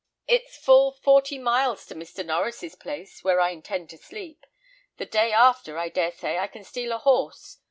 It's full forty miles to Mr. Norries's place, where I intend to sleep. The day after, I dare say I can steal a horse.